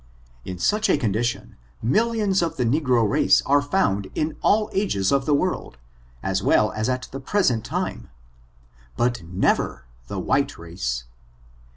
In such a condition, millions of the negro race are found in all ages of the world, as well as at the present time ; but never the white race.